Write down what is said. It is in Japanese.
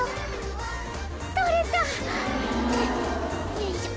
よいしょ。